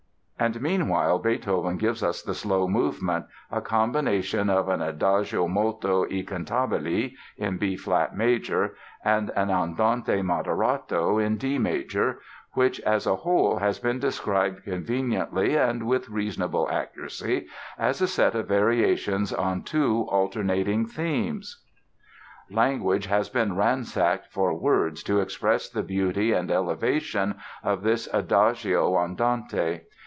And meanwhile Beethoven gives us the slow movement, a combination of an "Adagio molto e cantabile" (in B flat major) and an "Andante moderato" (in D major), which as a whole has been described conveniently and with reasonable accuracy as a set of variations on two alternating themes: [Illustration: play music] [Illustration: play music] Language has been ransacked for words to express the beauty and elevation of this Adagio Andante.